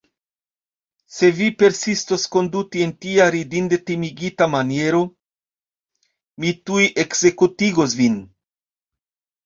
Se vi persistos konduti en tia ridinde timigita maniero, mi tuj ekzekutigos vin.